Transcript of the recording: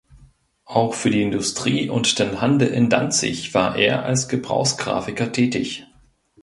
Auch für die Industrie und den Handel in Danzig war er als Gebrauchsgrafiker tätig.